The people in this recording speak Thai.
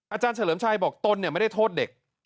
อาจารย์เฉลิมชัยบอกตนไม่ได้โทษเด็ก